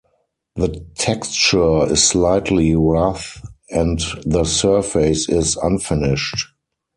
The texture is slightly rough, and the surface is unfinished.